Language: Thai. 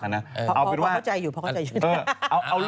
เพราะเข้าใจอยู่